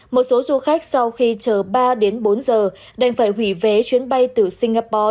một số du khách sau khi chờ ba đến bốn giờ đành phải hủy vé chuyến bay từ singapore